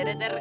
ntar aja ter